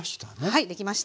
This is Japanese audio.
はいできました。